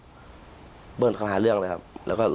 เพื่อนคนที่อยู่ในเหตุการณ์เล่าเรื่องนี้ให้ฟังกันค่ะ